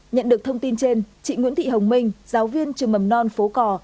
nhận được thông tin trên chị nguyễn thị hồng minh giáo viên trường mầm non phố cò